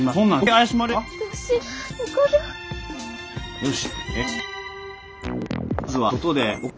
よし！